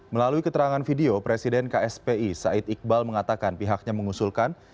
melalui keterangan video presiden kspi said iqbal mengatakan pihaknya mengusulkan